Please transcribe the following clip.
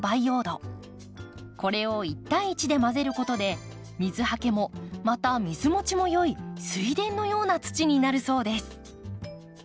これを１対１で混ぜることで水はけもまた水もちもよい水田のような土になるそうです。